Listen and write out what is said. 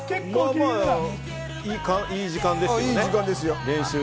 いい時間ですよね。